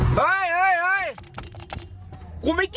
สวัสดีครับคุณผู้ชม